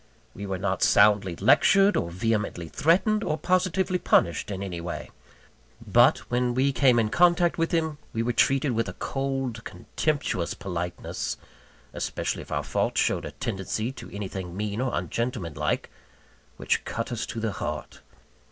We were not soundly lectured, or vehemently threatened, or positively punished in anyway; but, when we came in contact with him, we were treated with a cold, contemptuous politeness (especially if our fault showed a tendency to anything mean or ungentlemanlike) which cut us to the heart.